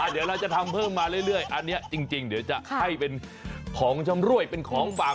เดี๋ยวเราจะทำเพิ่มมาเรื่อยอันนี้จริงเดี๋ยวจะให้เป็นของชำรวยเป็นของฝาก